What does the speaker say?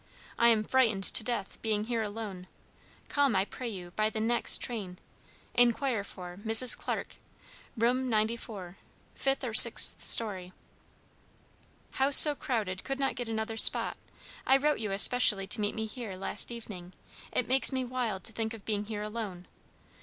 I am frightened to death, being here alone. Come, I pray you, by next train. Inquire for "MRS. CLARKE, "Room 94, 5th or 6th Story. "House so crowded could not get another spot. I wrote you especially to meet me here last evening; it makes me wild to think of being here alone.